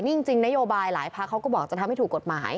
นี่จริงนโยบายหลายพักเขาก็บอกจะทำให้ถูกกฎหมาย